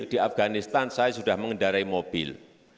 di afganistan saya sudah mengendarai mobil